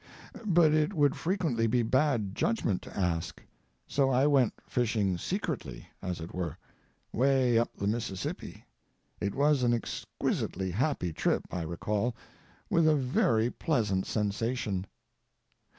But it would frequently be bad judgment to ask. So I went fishing secretly, as it were—way up the Mississippi. It was an exquisitely happy trip, I recall, with a very pleasant sensation.